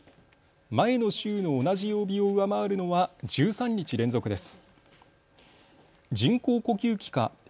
前の週の同じ曜日を上回るのは１３日連続です。